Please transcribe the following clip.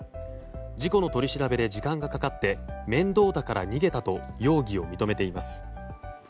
事故の取り調べで時間がかかって面倒だから逃げたと容疑を認めています。